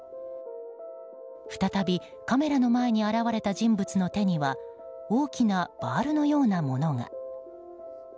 再びカメラの前に現れた人物の手には大きなバールのようなものが。